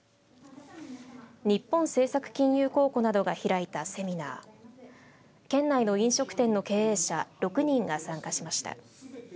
日本政策金融公庫などが開いたセミナーは県内の飲食店の経営者６人が参加しました。